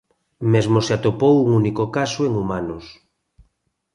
Mesmo se atopou un único caso en humanos.